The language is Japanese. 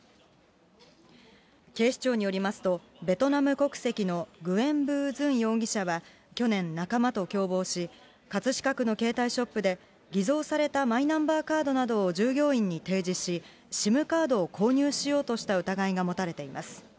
警視庁によりますと、ベトナム国籍のグエン・ヴー・ズン容疑者は、去年、仲間と共謀し、葛飾区の携帯ショップで、偽造されたマイナンバーカードなどを従業員に提示し、ＳＩＭカードを購入しようとした疑いが持たれています。